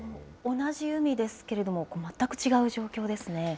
同じ海ですけれども、全く違う状況ですね。